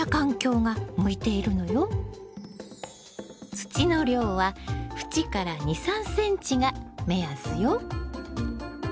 土の量は縁から２３ｃｍが目安よ。